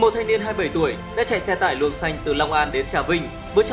một thanh niên hai mươi bảy tuổi đã chạy xe tải luồng xanh từ long an đến trà vinh